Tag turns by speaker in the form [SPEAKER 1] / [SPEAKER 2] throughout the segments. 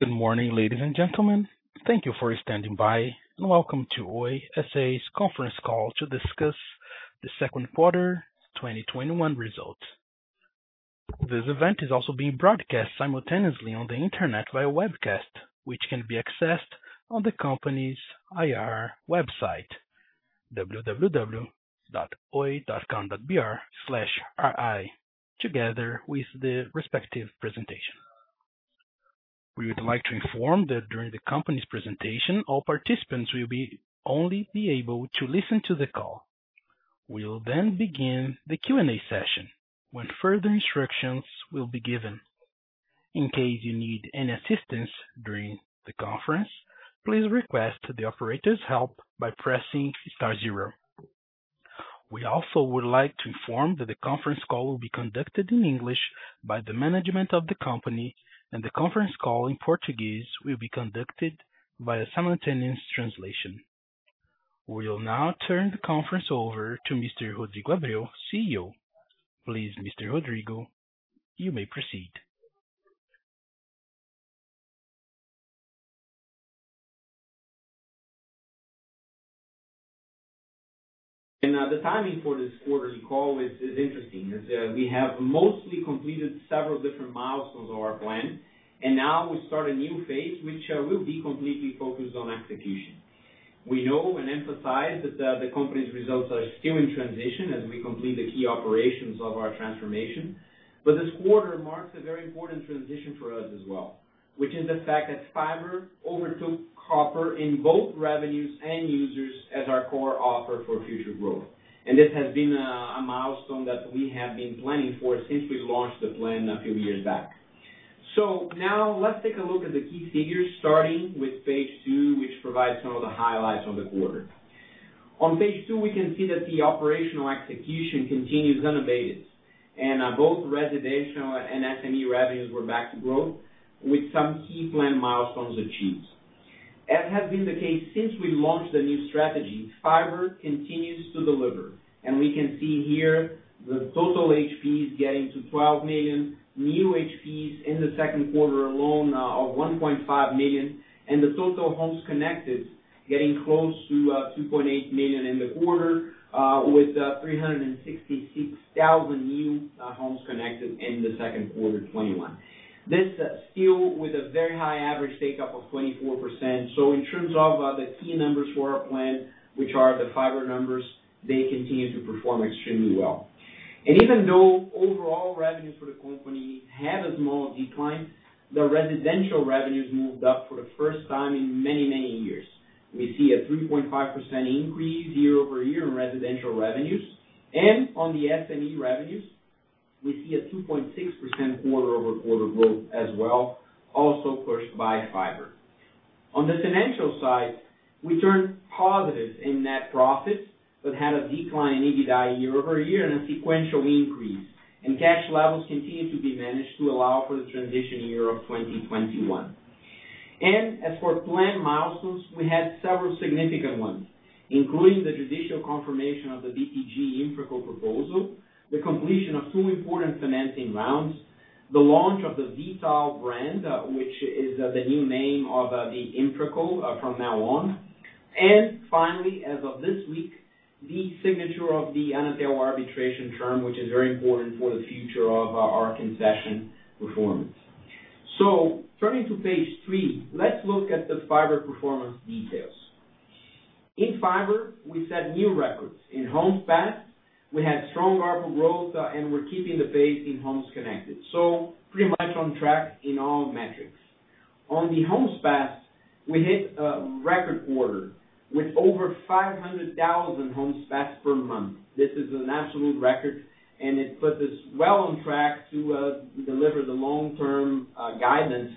[SPEAKER 1] Good morning, ladies and gentlemen. Thank you for standing by, and welcome to Oi S.A.'s Conference Call to Discuss the Q2 2021 Result. This event is also being broadcast simultaneously on the internet via webcast, which can be accessed on the company's IR website, www.oi.com.br/ri, together with the respective presentation. We would like to inform that during the company's presentation, all participants will only be able to listen to the call. We will begin the Q&A session, when further instructions will be given. In case you need any assistance during the conference, please request the operator's help by pressing star zero. We also would like to inform that the conference call will be conducted in English by the management of the company, and the conference call in Portuguese will be conducted by a simultaneous translation. We will now turn the conference over to Mr. Rodrigo Abreu, CEO. Please, Mr. Rodrigo, you may proceed.
[SPEAKER 2] The timing for this quarterly call is interesting, as we have mostly completed several different milestones of our plan, and now we start a new phase, which will be completely focused on execution. We know and emphasize that the company's results are still in transition as we complete the key operations of our transformation. This quarter marks a very important transition for us as well, which is the fact that fiber overtook copper in both revenues and users as our core offer for future growth. This has been a milestone that we have been planning for since we launched the plan a few years back. Now let's take a look at the key figures, starting with page two, which provides some of the highlights of the quarter. On page two, we can see that the operational execution continues unabated, and both residential and SME revenues were back to growth, with some key plan milestones achieved. As has been the case since we launched the new strategy, fiber continues to deliver, and we can see here the total HPs getting to 12 million, new HPs in the Q2 alone of 1.5 million, and the total homes connected getting close to 2.8 million in the quarter, with 366,000 new homes connected in the Q2 2021. This still with a very high average take-up of 24%. In terms of the key numbers for our plan, which are the fiber numbers, they continue to perform extremely well. Even though overall revenues for the company had a small decline, the residential revenues moved up for the first time in many, many years. We see a 3.5% increase YoY in residential revenues. On the SME revenues, we see a 2.6% QoQ growth as well, also pushed by fiber. On the financial side, we turned positive in net profits, but had a decline in EBITDA YoY and a sequential increase, and cash levels continue to be managed to allow for the transition year of 2021. As for plan milestones, we had several significant ones, including the judicial confirmation of the BTG InfraCo proposal, the completion of two important financing rounds, the launch of the V.tal brand, which is the new name of the InfraCo from now on. Finally, as of this week, the signature of the Anatel arbitration term, which is very important for the future of our concession performance. Turning to page three, let's look at the fiber performance details. In fiber, we set new records. In homes passed, we had strong ARPU growth, and we're keeping the pace in homes connected. Pretty much on track in all metrics. On the homes passed, we hit a record quarter, with over 500,000 homes passed per month. This is an absolute record, and it puts us well on track to deliver the long-term guidance,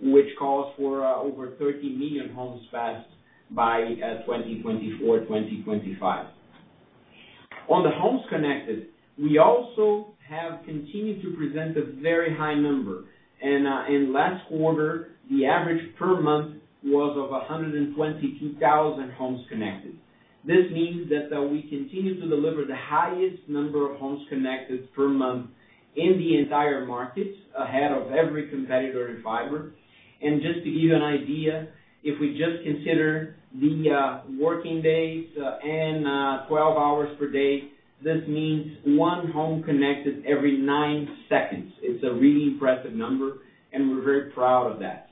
[SPEAKER 2] which calls for over 30 million homes passed by 2024, 2025. On the homes connected, we also have continued to present a very high number. In last quarter, the average per month was of 122,000 homes connected. This means that we continue to deliver the highest number of homes connected per month in the entire market, ahead of every competitor in fiber. Just to give you an idea, if we just consider the working days and 12 hours per day, this means one home connected every nine seconds. It's a really impressive number, and we're very proud of that.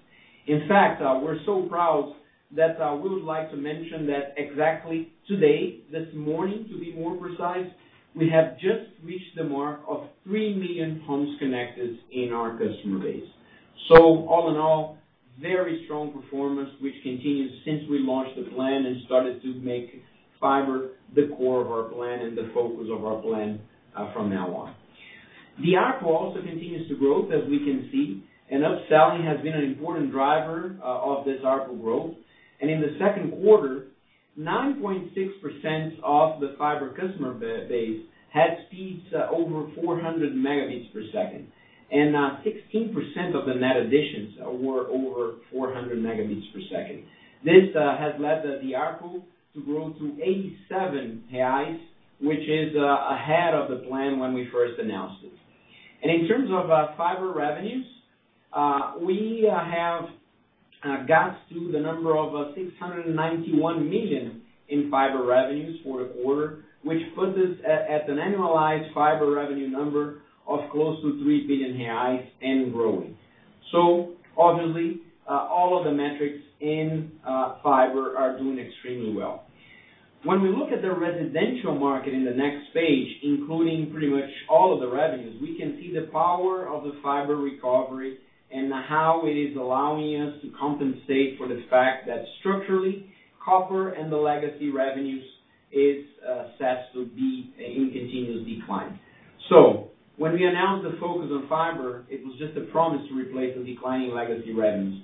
[SPEAKER 2] In fact, we're so proud that we would like to mention that exactly today, this morning, to be more precise, we have just reached the mark of three million homes connected in our customer base. All in all, very strong performance, which continues since we launched the plan and started to make fiber the core of our plan and the focus of our plan from now on. The ARPU also continues to grow, as we can see, and upselling has been an important driver of this ARPU growth. In the Q2, 9.6% of the fiber customer base had speeds over 400 Mb per second, and 16% of the net additions were over 400 Mb per second. This has led the ARPU to grow to 87 reais, which is ahead of the plan when we first announced it. In terms of fiber revenues, Got to the number of 691 million in fiber revenues for the quarter, which puts us at an annualized fiber revenue number of close to 3 billion reais and growing. Obviously, all of the metrics in fiber are doing extremely well. When we look at the residential market in the next page, including pretty much all of the revenues, we can see the power of the fiber recovery and how it is allowing us to compensate for the fact that structurally, copper and the legacy revenues is set to be in continuous decline. When we announced the focus on fiber, it was just a promise to replace the declining legacy revenues.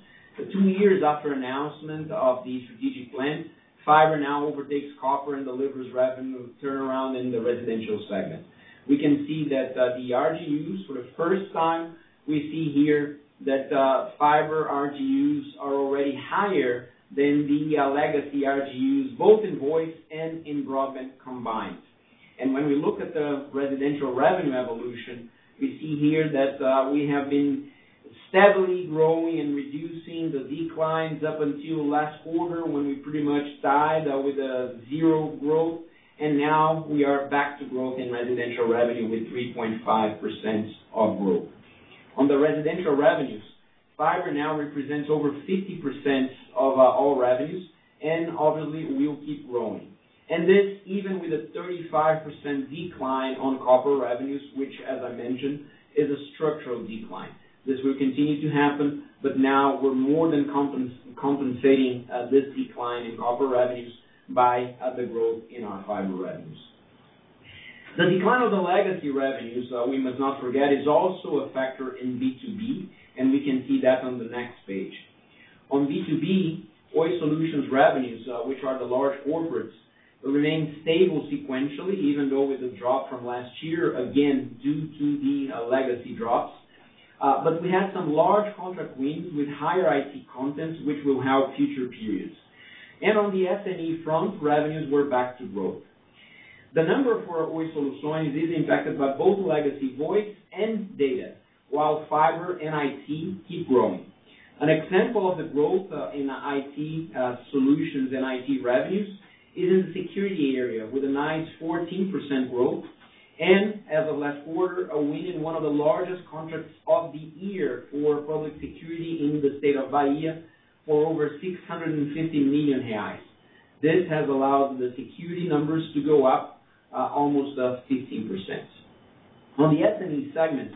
[SPEAKER 2] Two years after announcement of the strategic plan, fiber now overtakes copper and delivers revenue turnaround in the residential segment. We can see that the RGUs, for the first time, we see here that fiber RGUs are already higher than the legacy RGUs, both in voice and in broadband combined. When we look at the residential revenue evolution, we see here that we have been steadily growing and reducing the declines up until last quarter, when we pretty much tied with a zero growth. Now we are back to growth in residential revenue with 3.5% of growth. On the residential revenues, fiber now represents over 50% of all revenues, obviously will keep growing. This, even with a 35% decline on copper revenues, which as I mentioned, is a structural decline. This will continue to happen, now we're more than compensating this decline in copper revenues by the growth in our fiber revenues. The decline of the legacy revenues, we must not forget, is also a factor in B2B, we can see that on the next page. On B2B, Oi Soluções revenues, which are the large corporates, remain stable sequentially, even though with a drop from last year, again, due to the legacy drops. We had some large contract wins with higher IT contents, which will help future periods. On the SME front, revenues were back to growth. The number for Oi Soluções is impacted by both legacy voice and data, while fiber and IT keep growing. An example of the growth in IT solutions and IT revenues is in the security area with a nice 14% growth. As of last quarter, we won one of the largest contracts of the year for public security in the state of Bahia for over 650 million reais. This has allowed the security numbers to go up almost 15%. On the SME segment,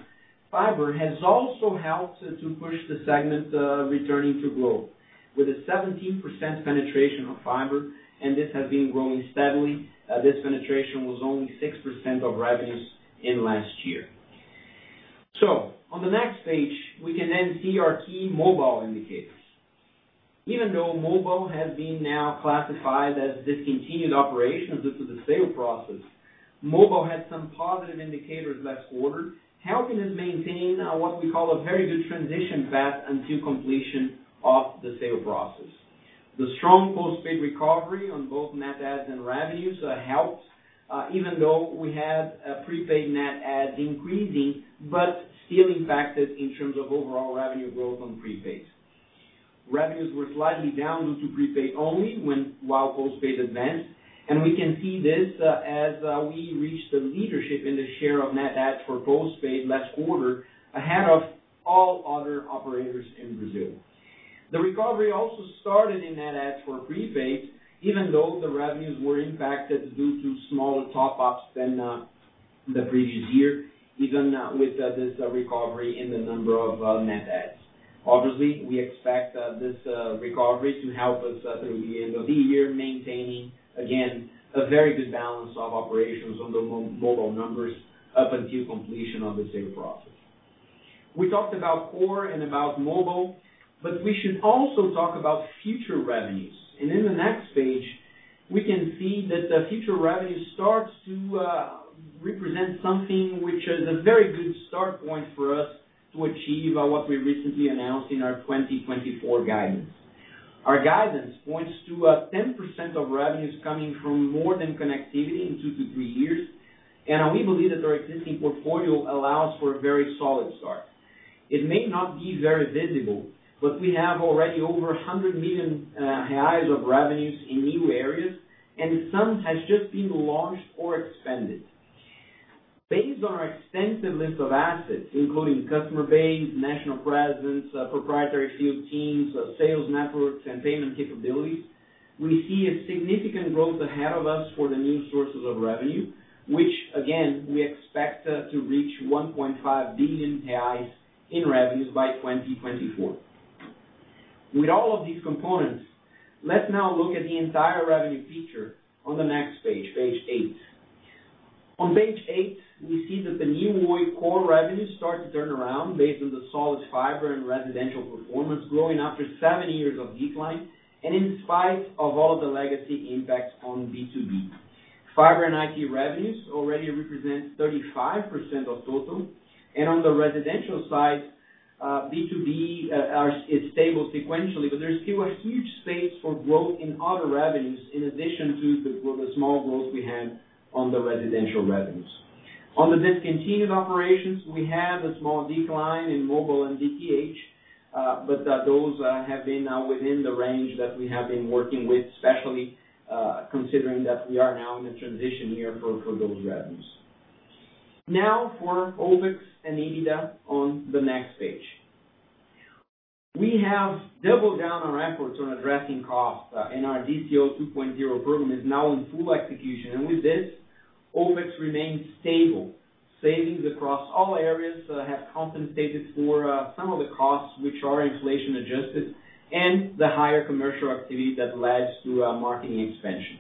[SPEAKER 2] fiber has also helped to push the segment returning to growth with a 17% penetration of fiber. This has been growing steadily. This penetration was only 6% of revenues in last year. On the next page, we can then see our key mobile indicators. Even though mobile has been now classified as discontinued operations due to the sale process, mobile had some positive indicators last quarter, helping us maintain what we call a very good transition path until completion of the sale process. The strong postpaid recovery on both net adds and revenues helped, even though we had prepaid net adds increasing but still impacted in terms of overall revenue growth on prepaid. Revenues were slightly down due to prepaid only while postpaid advanced, and we can see this as we reached the leadership in the share of net adds for postpaid last quarter, ahead of all other operators in Brazil. The recovery also started in net adds for prepaid, even though the revenues were impacted due to smaller top-ups than the previous year, even with this recovery in the number of net adds. Obviously, we expect this recovery to help us through the end of the year, maintaining, again, a very good balance of operations on the mobile numbers up until completion of the sale process. We talked about core and about mobile, but we should also talk about future revenues. In the next page, we can see that the future revenue starts to represent something which is a very good start point for us to achieve what we recently announced in our 2024 guidance. Our guidance points to a 10% of revenues coming from more than connectivity in two to three years. We believe that our existing portfolio allows for a very solid start. It may not be very visible, but we have already over 100 million reais of revenues in new areas. Some has just been launched or expanded. Based on our extensive list of assets, including customer base, national presence, proprietary field teams, sales networks, and payment capabilities, we see a significant growth ahead of us for the new sources of revenue, which again, we expect to reach 1.5 billion reais in revenues by 2024. With all of these components, let's now look at the entire revenue picture on the next page eight. On page eight, we see that the new Oi core revenues start to turn around based on the solid fiber and residential performance growing after seven years of decline, and in spite of all the legacy impacts on B2B. Fiber and IT revenues already represent 35% of total, and on the residential side, B2B is stable sequentially, but there's still a huge space for growth in other revenues in addition to the small growth we had on the residential revenues. On the discontinued operations, we have a small decline in mobile and DTH, but those have been now within the range that we have been working with, especially considering that we are now in the transition year for those revenues. Now for OpEx and EBITDA on the next page. We have doubled down on efforts on addressing costs, and our DCO 2.0 program is now in full execution. With this, OpEx remains stable. Savings across all areas have compensated for some of the costs, which are inflation-adjusted, and the higher commercial activity that leads to marketing expansion.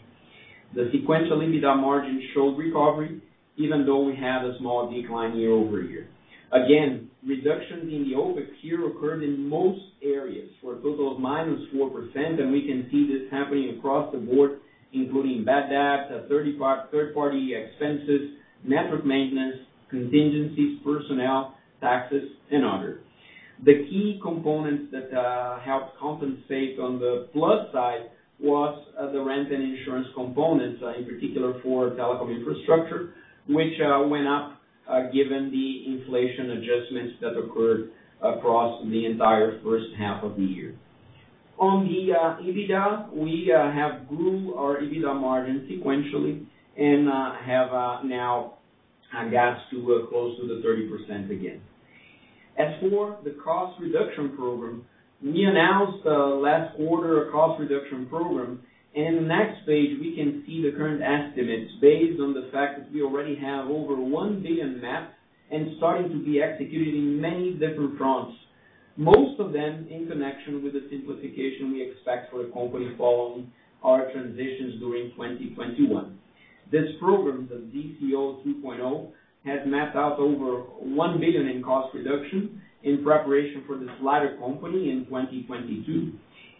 [SPEAKER 2] The sequential EBITDA margin showed recovery, even though we have a small decline YoY. Again, reductions in the OpEx here occurred in most areas for a total of minus 4%, and we can see this happening across the board, including bad debt, third-party expenses, network maintenance, contingencies, personnel, taxes, and others. The key components that helped compensate on the plus side was the rent and insurance components, in particular for telecom infrastructure, which went up given the inflation adjustments that occurred across the entire H1 of the year. The EBITDA, we have grown our EBITDA margin sequentially and have now got to close to the 30% again. For the cost reduction program, we announced last quarter a cost reduction program. In the next page, we can see the current estimates based on the fact that we already have over 1 billion mapped and starting to be executed in many different fronts, most of them in connection with the simplification we expect for the company following our transitions during 2021. This program, the DCO 2.0, has mapped out over 1 billion in cost reduction in preparation for this lighter company in 2022.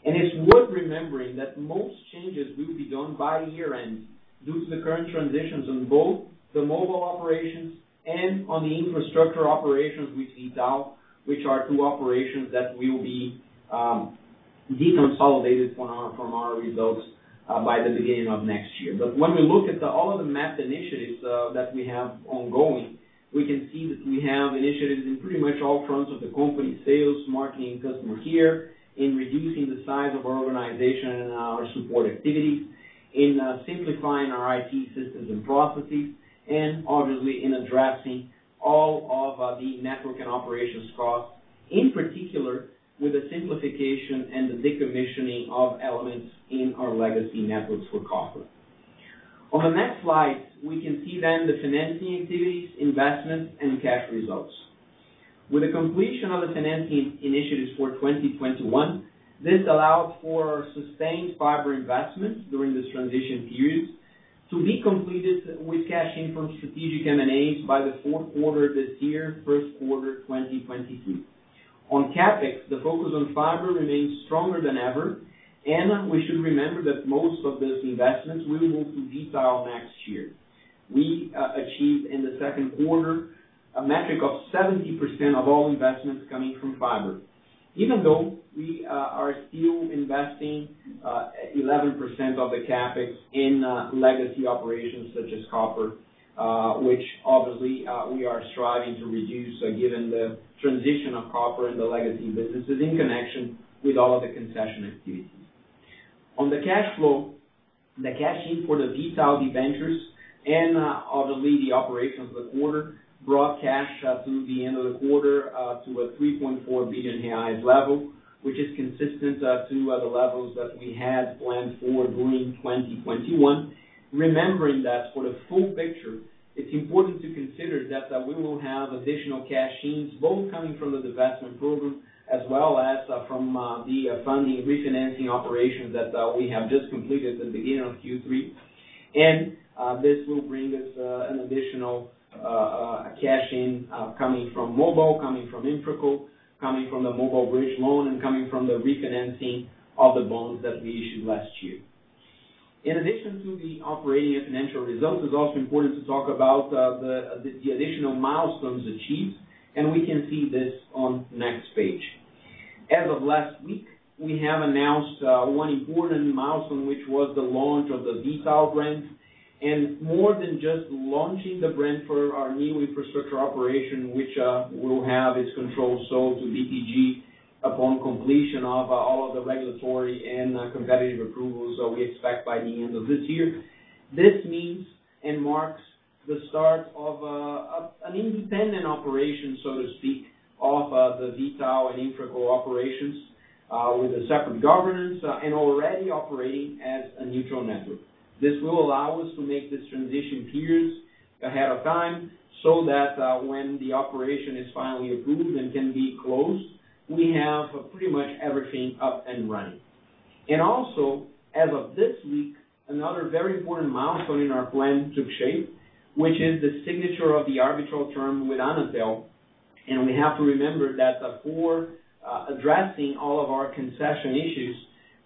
[SPEAKER 2] It's worth remembering that most changes will be done by year-end due to the current transitions on both the mobile operations and on the infrastructure operations with V.tal, which are two operations that will be deconsolidated from our results by the beginning of next year. When we look at all of the mapped initiatives that we have ongoing, we can see that we have initiatives in pretty much all fronts of the company, sales, marketing, customer care, in reducing the size of our organization and our support activity, in simplifying our IT systems and processes, and obviously in addressing all of the network and operations costs, in particular with the simplification and the decommissioning of elements in our legacy networks for copper. On the next slide, we can see the financing activities, investments, and cash results. With the completion of the financing initiatives for 2021, this allowed for sustained fiber investments during this transition period to be completed with cash-in from strategic M&As by the Q4 this year, Q1 2023. On CapEx, the focus on fiber remains stronger than ever. We should remember that most of these investments will move to V.tal next year. We achieved in the Q2 a metric of 70% of all investments coming from fiber, even though we are still investing 11% of the CapEx in legacy operations such as copper, which obviously, we are striving to reduce given the transition of copper in the legacy businesses in connection with all of the concession activities. On the cash flow, the cash-in for the V.tal debentures and obviously the operations of the quarter brought cash through the end of the quarter to a 3.4 billion reais level, which is consistent to the levels that we had planned for during 2021. Remembering that for the full picture, it's important to consider that we will have additional cash-ins, both coming from the divestment program as well as from the funding refinancing operation that we have just completed at the beginning of Q3. This will bring us an additional cash-in coming from mobile, coming from InfraCo, coming from the mobile bridge loan, and coming from the refinancing of the bonds that we issued last year. In addition to the operating and financial results, it's also important to talk about the additional milestones achieved, and we can see this on the next page. As of last week, we have announced one important milestone, which was the launch of the V.tal brand. More than just launching the brand for our new infrastructure operation, which will have its control sold to BTG upon completion of all of the regulatory and competitive approvals that we expect by the end of this year. This means and marks the start of an independent operation, so to speak, of the V.tal and InfraCo operations with a separate governance and already operating as a neutral network. This will allow us to make this transition years ahead of time so that when the operation is finally approved and can be closed, we have pretty much everything up and running. Also, as of this week, another very important milestone in our plan took shape, which is the signature of the arbitral term with Anatel. We have to remember that for addressing all of our concession issues,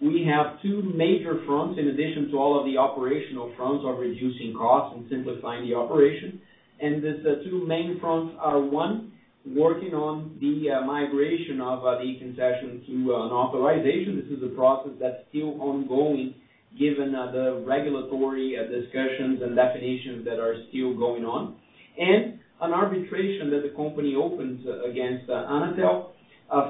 [SPEAKER 2] we have two major fronts in addition to all of the operational fronts of reducing costs and simplifying the operation. These two main fronts are, one, working on the migration of the concession to an authorization. This is a process that's still ongoing given the regulatory discussions and definitions that are still going on. An arbitration that the company opened against Anatel,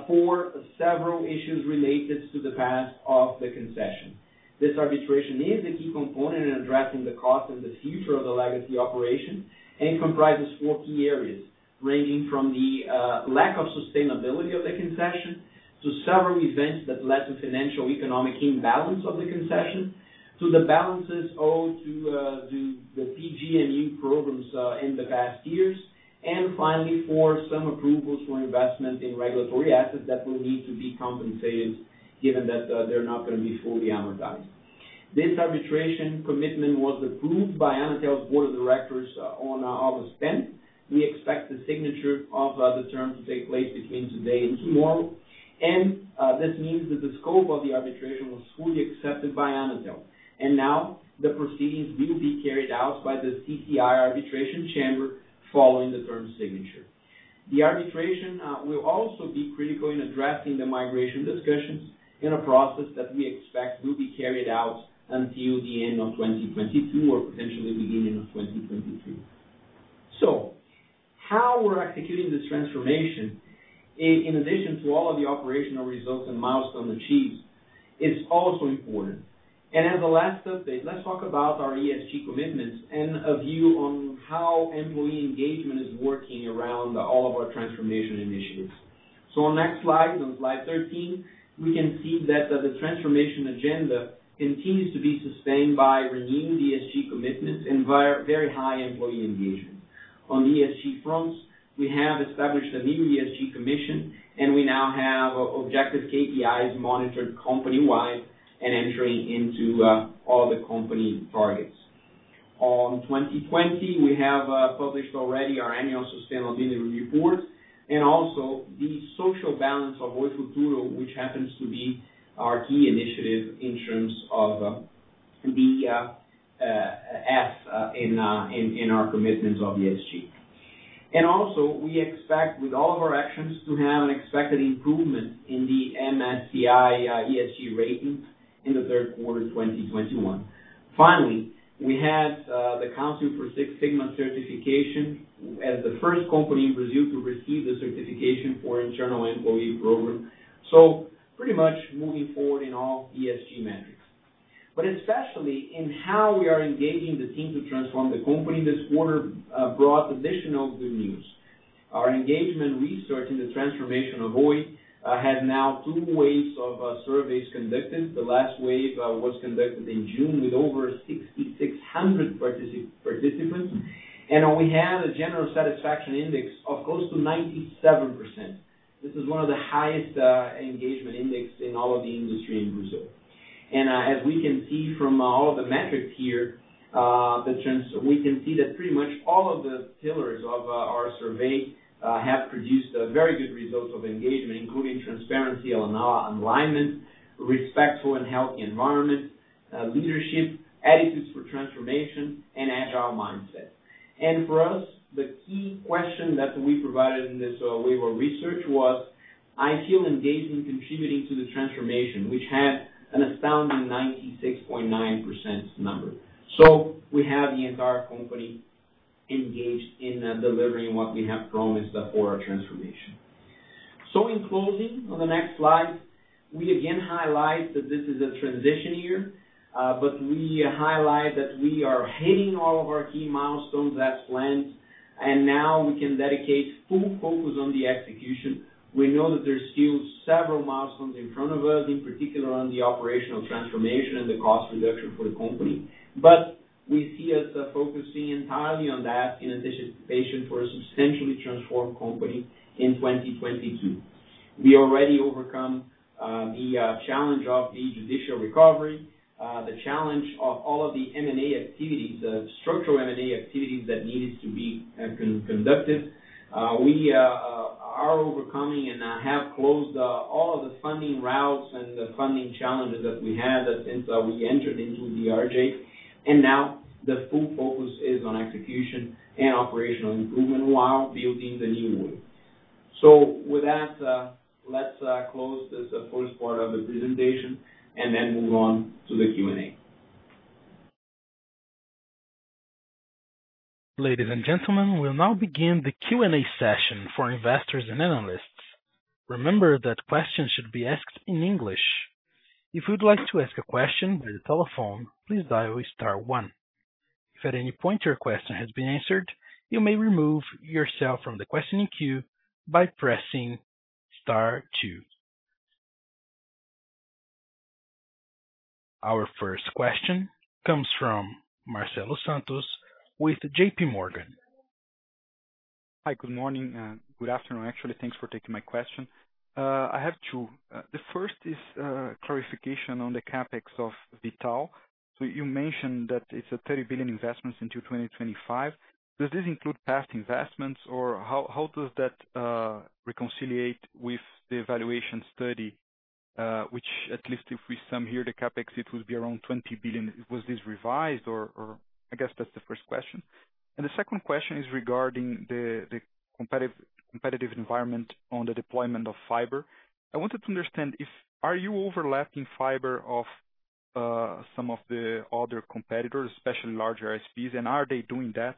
[SPEAKER 2] for several issues related to the past of the concession. This arbitration is a key component in addressing the cost and the future of the legacy operation, and comprises four key areas, ranging from the lack of sustainability of the concession to several events that led to financial economic imbalance of the concession, to the balances owed to the PGMU programs in the past years. Finally, for some approvals for investment in regulatory assets that will need to be compensated, given that they're not going to be fully amortized. This arbitration commitment was approved by Anatel's board of directors on August 10th. We expect the signature of the terms to take place between today and tomorrow, and this means that the scope of the arbitration was fully accepted by Anatel, and now the proceedings will be carried out by the CCI Arbitration Chamber following the term signature. The arbitration will also be critical in addressing the migration discussions in a process that we expect will be carried out until the end of 2022 or potentially beginning of 2023. How we're executing this transformation in addition to all of the operational results and milestones achieved is also important. As a last update, let's talk about our ESG commitments and a view on how employee engagement is working around all of our transformation initiatives. On next slide, on slide 13, we can see that the transformation agenda continues to be sustained by renewed ESG commitments and very high employee engagement. On the ESG fronts, we have established a new ESG commission, and we now have objective KPIs monitored company-wide and entering into all the company targets. On 2020, we have published already our annual sustainability report and also the social balance of Oi Futuro, which happens to be our key initiative in terms of the F in our commitments of ESG. Also, we expect with all of our actions, to have an expected improvement in the MSCI ESG ratings in the Q3 2021. Finally, we had the Council for Six Sigma Certification as the first company in Brazil to receive the certification for internal employee program. Pretty much moving forward in all ESG metrics. Especially in how we are engaging the team to transform the company. This quarter brought additional good news. Our engagement research in the transformation of Oi has now two waves of surveys conducted. The last wave was conducted in June with over 6,600 participants, and we have a general satisfaction index of close to 97%. This is one of the highest engagement index in all of the industry in Brazil. As we can see from all of the metrics here, we can see that pretty much all of the pillars of our survey have produced very good results of engagement, including transparency and alignment, respectful and healthy environment, leadership, attitudes for transformation, and agile mindset. For us, the key question that we provided in this wave of research was, "I feel engagement contributing to the transformation," which had an astounding 96.9% number. We have the entire company engaged in delivering what we have promised for our transformation. In closing, on the next slide, we again highlight that this is a transition year, but we highlight that we are hitting all of our key milestones as planned, and now we can dedicate full focus on the execution. We know that there's still several milestones in front of us, in particular on the operational transformation and the cost reduction for the company. We see us focusing entirely on that in anticipation for a substantially transformed company in 2022. We already overcome the challenge of the judicial recovery, the challenge of all of the M&A activities, the structural M&A activities that needed to be conducted. We are overcoming and have closed all of the funding routes and the funding challenges that we had since we entered into the RJ. Now the full focus is on execution and operational improvement while building the new Oi. With that, let's close this first part of the presentation and then move on to the Q&A.
[SPEAKER 1] Ladies and gentlemen, we'll now begin the Q&A session for investors and analysts. Remember that questions should be asked in English. If you'd like to ask a question via telephone, please dial star one. If at any point your question has been answered, you may remove yourself from the questioning queue by pressing star two. Our first question comes from Marcelo Santos with JPMorgan.
[SPEAKER 3] Hi. Good morning, good afternoon, actually. Thanks for taking my question. I have two. The first is clarification on the CapEx of V.tal. You mentioned that it's a 30 billion investments into 2025. Does this include past investments or how does that reconcile with the evaluation study, which at least if we sum here the CapEx, it would be around 20 billion? Was this revised? Or I guess that's the first question. The second question is regarding the competitive environment on the deployment of fiber. I wanted to understand if are you overlapping fiber of some of the other competitors, especially larger ISPs, and are they doing that?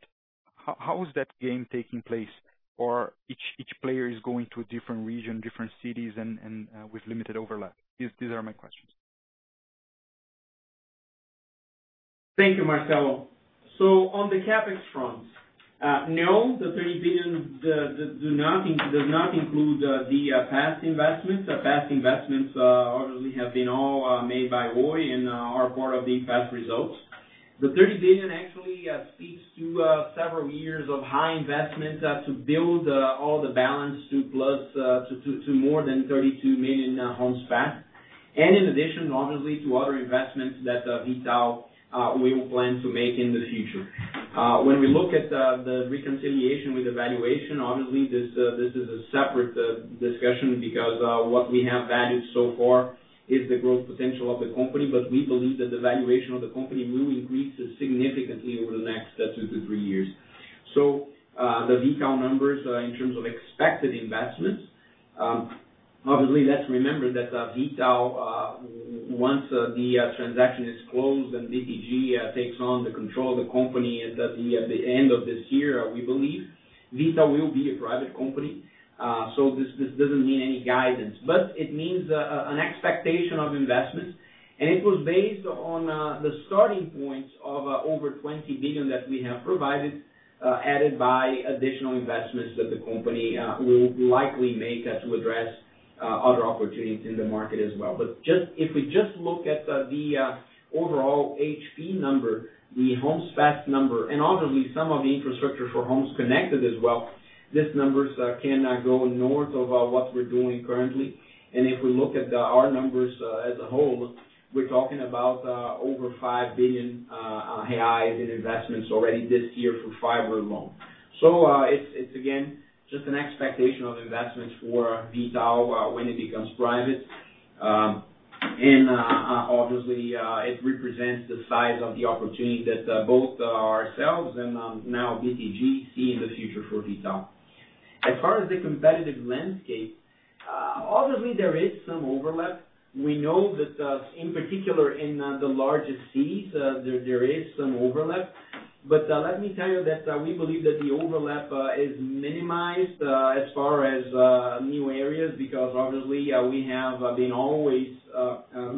[SPEAKER 3] How is that game taking place? Each player is going to a different region, different cities, and with limited overlap? These are my questions.
[SPEAKER 2] Thank you, Marcelo. On the CapEx front, no, the 30 billion does not include the past investments. The past investments obviously have been all made by Oi and are part of the past results. The 30 billion actually speaks to several years of high investments to build all the balance to more than 32 million homes passed. In addition, obviously, to other investments that V.tal will plan to make in the future. When we look at the reconciliation with the valuation, obviously, this is a separate discussion because what we have valued so far is the growth potential of the company. We believe that the valuation of the company will increase significantly over the next two to three years. The V.tal numbers, in terms of expected investments, obviously, let's remember that V.tal, once the transaction is closed and BTG takes on the control of the company at the end of this year, we believe, V.tal will be a private company. This doesn't mean any guidance. It means an expectation of investment, and it was based on the starting point of over 20 billion that we have provided, added by additional investments that the company will likely make to address other opportunities in the market as well. If we just look at the overall HP number, the homes passed number, and obviously some of the infrastructure for homes connected as well, these numbers cannot go north of what we're doing currently. If we look at our numbers as a whole, we're talking about over 5 billion reais in investments already this year for fiber alone. It's, again, just an expectation of investments for V.tal when it becomes private. Obviously, it represents the size of the opportunity that both ourselves and now BTG see in the future for V.tal. As far as the competitive landscape, obviously there is some overlap. We know that, in particular in the largest cities, there is some overlap. Let me tell you that we believe that the overlap is minimized as far as new areas, because obviously we have been always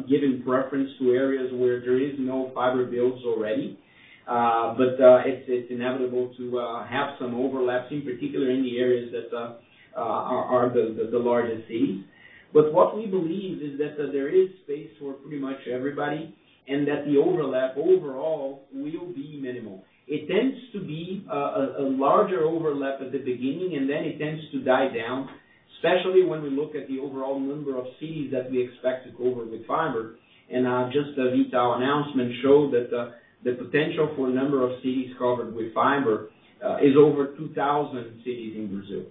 [SPEAKER 2] giving preference to areas where there is no fiber builds already. It's inevitable to have some overlaps, in particular in the areas that are the largest cities. What we believe is that there is space for pretty much everybody, and that the overlap overall will be minimal. It tends to be a larger overlap at the beginning, then it tends to die down, especially when we look at the overall number of cities that we expect to cover with fiber. Just the V.tal announcement showed that the potential for number of cities covered with fiber is over 2,000 cities in Brazil.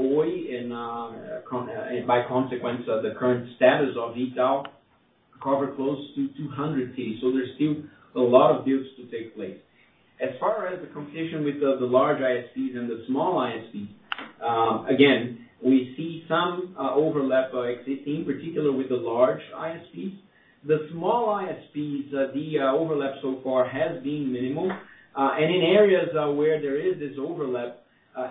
[SPEAKER 2] Oi, and by consequence, the current status of V.tal, cover close to 200 cities. There's still a lot of builds to take place. As far as the competition with the large ISPs and the small ISPs, again, we see some overlap existing, particularly with the large ISPs. The small ISPs, the overlap so far has been minimal. In areas where there is this overlap,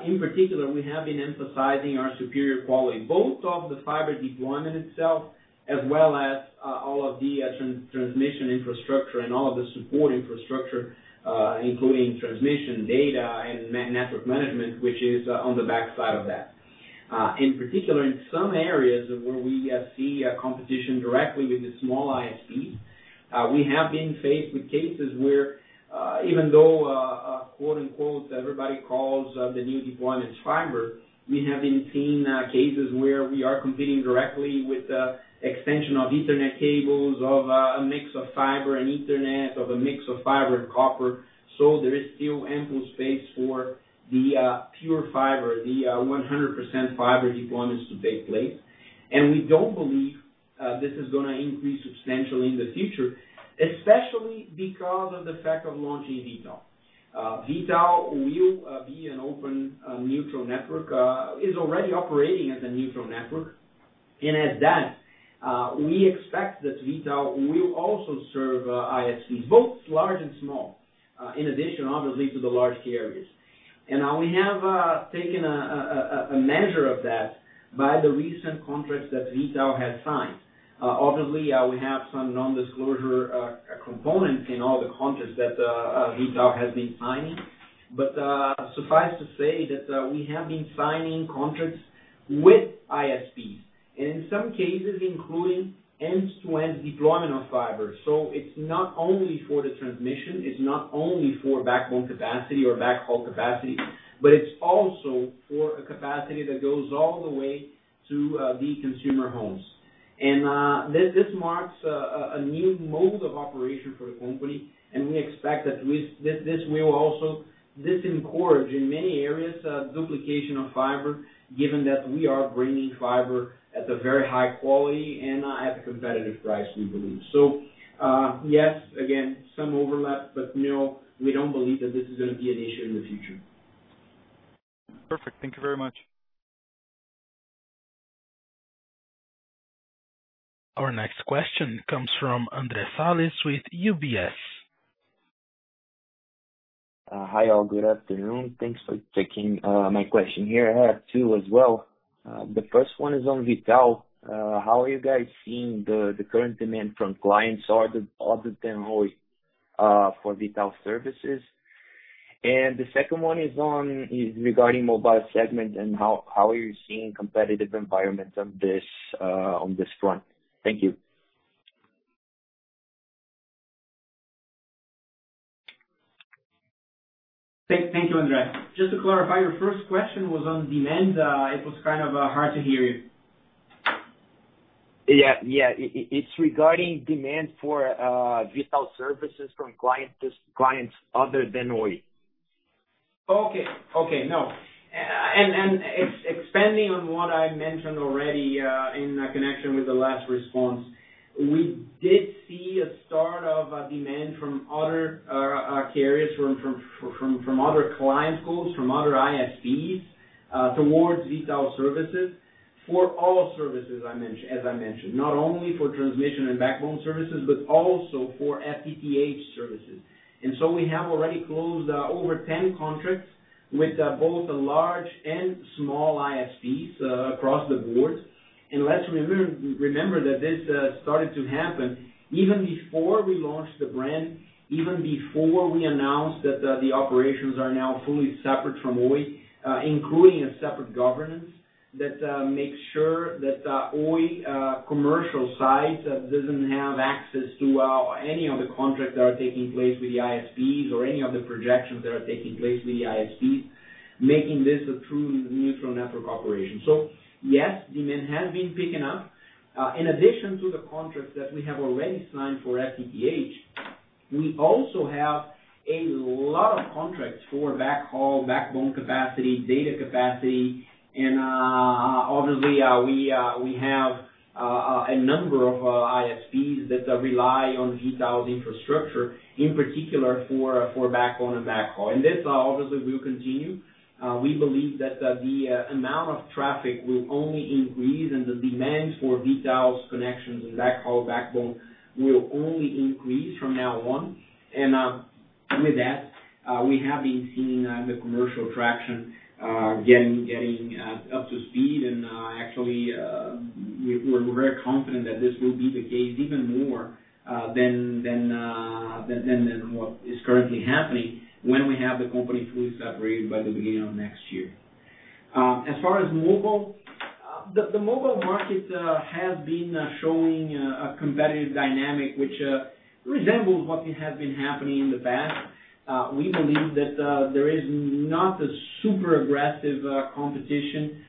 [SPEAKER 2] in particular, we have been emphasizing our superior quality, both of the fiber deployment itself, as well as all of the transmission infrastructure and all of the support infrastructure, including transmission, data, and network management, which is on the backside of that. In particular, in some areas where we see competition directly with the small ISPs, we have been faced with cases where even though, quote-unquote, everybody calls the new deployment fiber, we have been seeing cases where we are competing directly with the extension of Ethernet cables, of a mix of fiber and Ethernternet, of a mix of fiber and copper. There is still ample space for the pure fiber, the 100% fiber deployments to take place. We don't believe this is going to increase substantially in the future, especially because of the fact of launching V.tal. V.tal will be an open, neutral network. It's already operating as a neutral network. As that, we expect that V.tal will also serve ISPs, both large and small, in addition, obviously, to the large key areas. We have taken a measure of that by the recent contracts that V.tal has signed. Obviously, we have some non-disclosure components in all the contracts that V.tal has been signing. Suffice to say that we have been signing contracts with ISPs, and in some cases, including end-to-end deployment of fiber. It's not only for the transmission, it's not only for backbone capacity or backhaul capacity, but it's also for a capacity that goes all the way to the consumer homes. This marks a new mode of operation for the company, and we expect that this will also discourage, in many areas, duplication of fiber, given that we are bringing fiber at a very high quality and at a competitive price, we believe. Yes, again, some overlap, but no, we don't believe that this is going to be an issue in the future.
[SPEAKER 3] Perfect. Thank you very much.
[SPEAKER 1] Our next question comes from André Salles with UBS.
[SPEAKER 4] Hi, all. Good afternoon. Thanks for taking my question here. I have two as well. The first one is on V.tal. How are you guys seeing the current demand from clients other than Oi for V.tal services? The second one is regarding mobile segment and how are you seeing competitive environments on this front? Thank you.
[SPEAKER 2] Thank you, André. Just to clarify, your first question was on demand? It was kind of hard to hear you.
[SPEAKER 4] Yeah. It's regarding demand for V.tal services from clients other than Oi.
[SPEAKER 2] Okay. No. Expanding on what I mentioned already, in connection with the last response, we did see a start of a demand from other carriers, from other client pools, from other ISPs, towards V.tal services for all services, as I mentioned. Not only for transmission and backbone services, but also for FTTH services. We have already closed over 10 contracts with both large and small ISPs across the board. Let's remember that this started to happen even before we launched the brand, even before we announced that the operations are now fully separate from Oi, including a separate governance that makes sure that Oi commercial side doesn't have access to any of the contracts that are taking place with the ISPs or any of the projections that are taking place with the ISPs, making this a truly neutral network operation. Yes, demand has been picking up. In addition to the contracts that we have already signed for FTTH, we also have a lot of contracts for backhaul, backbone capacity, data capacity, and, obviously, we have a number of ISPs that rely on V.tal's infrastructure, in particular for backbone and backhaul. This obviously will continue. We believe that the amount of traffic will only increase and the demand for V.tal's connections and backhaul, backbone will only increase from now on. With that, we have been seeing the commercial traction getting up to speed and actually, we're very confident that this will be the case even more than what is currently happening when we have the company fully separated by the beginning of next year. As far as mobile, the mobile market has been showing a competitive dynamic, which resembles what has been happening in the past. We believe that there is not a super aggressive competition,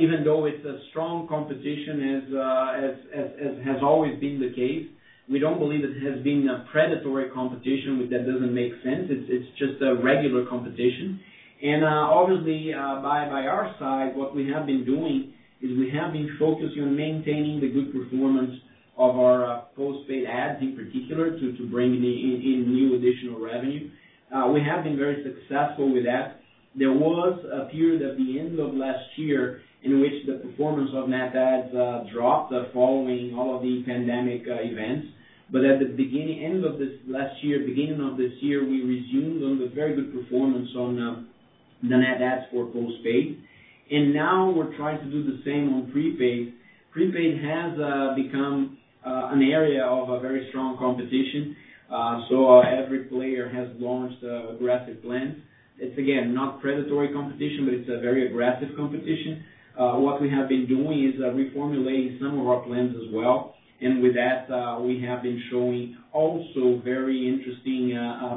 [SPEAKER 2] even though it's a strong competition as has always been the case. We don't believe it has been a predatory competition, that doesn't make sense. It's just a regular competition. Obviously, by our side, what we have been doing is we have been focusing on maintaining the good performance of our postpaid adds in particular to bring in new additional revenue. We have been very successful with that. There was a period at the end of last year in which the performance of net adds dropped following all of the pandemic events. At the end of last year, beginning of this year, we resumed on the very good performance on the net adds for postpaid. Now we're trying to do the same on prepaid. Prepaid has become an area of a very strong competition. Every player has launched aggressive plans. It's, again, not predatory competition, but it's a very aggressive competition. What we have been doing is reformulating some of our plans as well. With that, we have been showing also very interesting,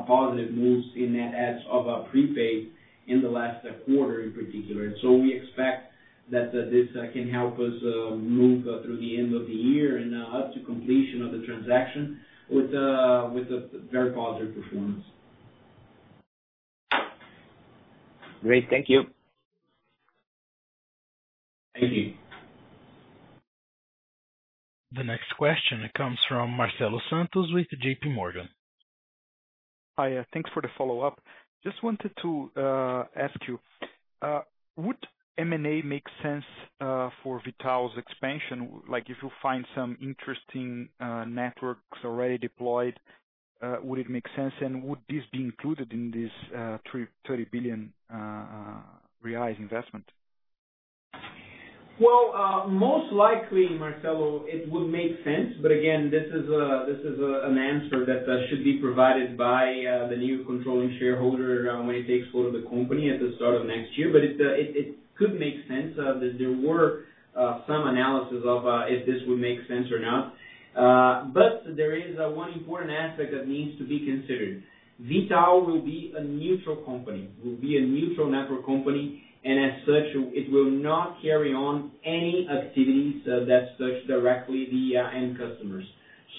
[SPEAKER 2] positive moves in net adds of our prepaid in the last quarter in particular. We expect that this can help us move through the end of the year and up to completion of the transaction with a very positive performance.
[SPEAKER 4] Great. Thank you.
[SPEAKER 2] Thank you.
[SPEAKER 1] The next question comes from Marcelo Santos with JPMorgan.
[SPEAKER 3] Hi. Thanks for the follow-up. Just wanted to ask you, would M&A make sense for V.tal's expansion? Like if you find some interesting networks already deployed, would it make sense, and would this be included in this 30 billion investment?
[SPEAKER 2] Well, most likely, Marcelo, it would make sense, again, this is an answer that should be provided by the new controlling shareholder when he takes hold of the company at the start of next year. It could make sense. There were some analysis of if this would make sense or not. There is one important aspect that needs to be considered. V.tal will be a neutral company, will be a neutral network company, as such, it will not carry on any activities that touch directly the end customers.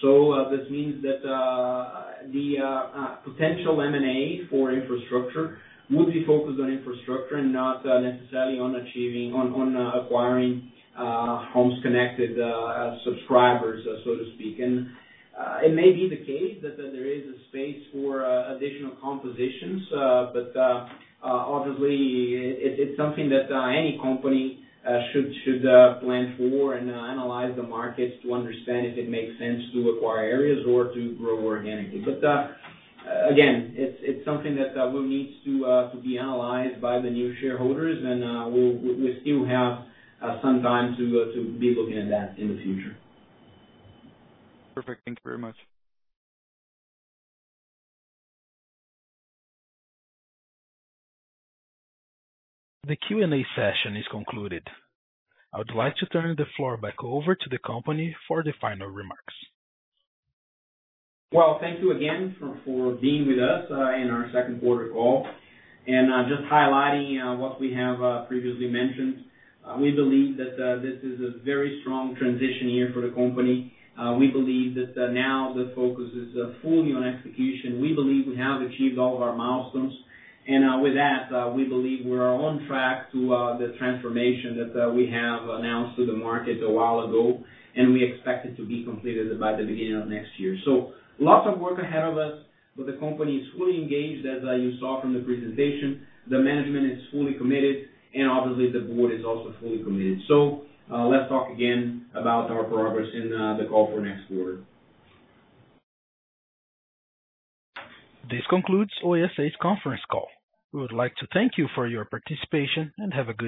[SPEAKER 2] This means that the potential M&A for InfraCo would be focused on InfraCo and not necessarily on acquiring homes connected subscribers, so to speak. It may be the case that there is a space for additional compositions, but, obviously, it's something that any company should plan for and analyze the markets to understand if it makes sense to acquire areas or to grow organically. Again, it's something that will need to be analyzed by the new shareholders, and we still have some time to be looking at that in the future.
[SPEAKER 3] Perfect. Thank you very much.
[SPEAKER 1] The Q&A session is concluded. I would like to turn the floor back over to the company for the final remarks.
[SPEAKER 2] Well, thank you again for being with us in our Q2 call. Just highlighting what we have previously mentioned. We believe that this is a very strong transition year for the company. We believe that now the focus is fully on execution. We believe we have achieved all of our milestones. With that, we believe we are on track to the transformation that we have announced to the market a while ago, and we expect it to be completed by the beginning of next year. Lots of work ahead of us, but the company is fully engaged, as you saw from the presentation. The management is fully committed, and obviously, the board is also fully committed. Let's talk again about our progress in the call for next quarter.
[SPEAKER 1] This concludes Oi S.A.'s conference call. We would like to thank you for your participation, and have a good day.